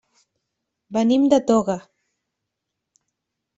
Venim de Toga.